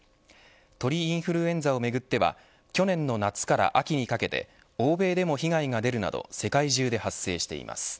鳥インフルエンザをめぐっては去年の夏から秋にかけて欧米でも被害が出るなど世界中で発生しています。